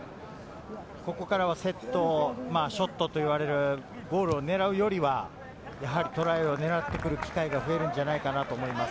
ここからはショットというゴールを狙うよりはトライを狙ってくる機会が増えるんじゃないかなと思います。